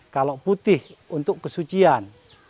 kalau putih untuk kesucian